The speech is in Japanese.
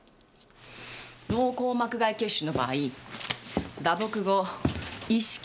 脳硬膜外血腫の場合打撲後意識